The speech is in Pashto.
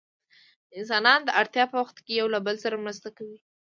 انسانان د اړتیا په وخت کې له یو بل سره مرسته کوي.